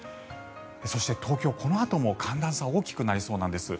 そして東京、このあとも寒暖差が大きくなりそうです。